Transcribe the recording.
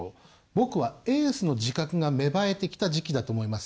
僕はエースの自覚が芽生えてきた時期だと思います。